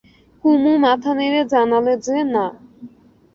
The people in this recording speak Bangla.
কুমু মাথা নেড়ে জানালে যে, না।